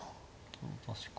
確かに。